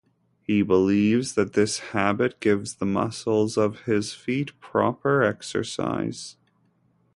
He believes that this habit gives the muscles of his feet proper exercise.